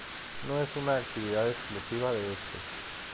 No es una actividad exclusiva de este.